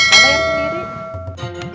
ada yang sendiri